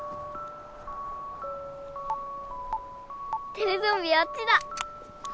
テレゾンビあっちだ！